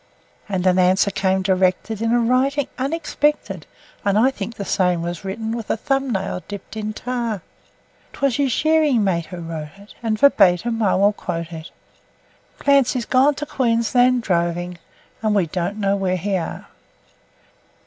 And an answer came directed in a writing unexpected, (And I think the same was written with a thumb nail dipped in tar) 'Twas his shearing mate who wrote it, and verbatim I will quote it: 'Clancy's gone to Queensland droving, and we don't know where he are.'